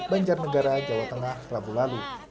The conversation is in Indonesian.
banjarnegara jawa tengah rabu lalu